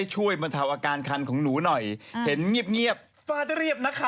ช่วยมันทำอาการคันของหนูหน่อยเห็นเงียบฟ้าจะเรียบนะคะ